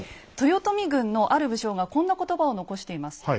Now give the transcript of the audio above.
豊臣軍のある武将がこんな言葉を残しています。